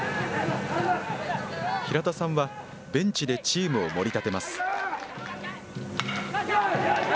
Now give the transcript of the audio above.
平田さんは、ベンチでチームをもり立てます。